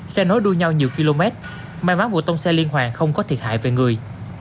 xe nối đuôi nhau nhiều km may mắn vụ tông xe liên hoàn không có thiệt hại về người